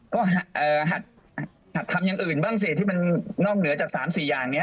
ก็เอ่อหัดหัดคำอย่างอื่นบ้างสิที่มันน่อมเหนือจากสามสี่อย่างเนี้ย